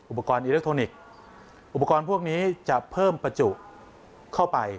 อุปกรณ์อิเล็กทรอนิกส์อุปกรณ์พวกนี้จะเพิ่มประจุเข้าไป